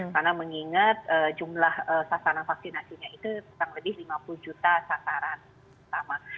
karena mengingat jumlah sasaran vaksinasi itu kurang lebih lima puluh juta sasaran